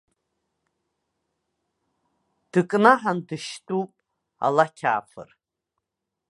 Дкнаҳан дышьтәуп, алақьаафыр!